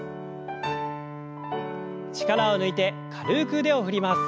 力を抜いて軽く腕を振ります。